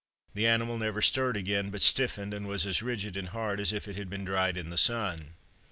The animal never stirred again, but stiffened, and was as rigid and hard as if it had been dried in the sun.